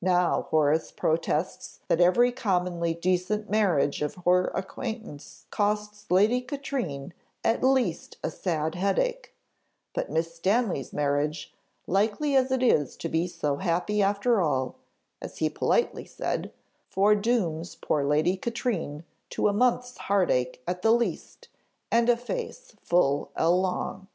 Now Horace protests that every commonly decent marriage of her acquaintance costs Lady Katrine at least a sad headache; but Miss Stanley's marriage, likely as it is to be so happy after all, as he politely said, foredooms poor Lady Katrine to a month's heartache at the least, and a face full ell long."